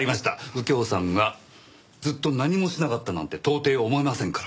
右京さんがずっと何もしなかったなんて到底思えませんから。